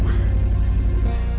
ketahuan sama papa